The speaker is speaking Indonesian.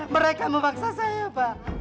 mereka memaksa saya pak